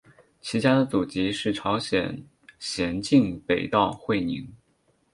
其家的祖籍是朝鲜咸镜北道会宁。